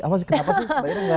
apa sih kenapa sih